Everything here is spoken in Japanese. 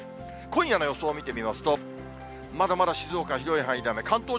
今夜の予想を見てみますと、まだまだ静岡、広い範囲で雨。